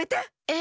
え？